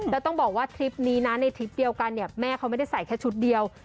แล้วต้องบอกว่าทริปนี้นะในทริปเดียวกันเนี่ยแม่เขาไม่ได้ใส่แค่ชุดเดียว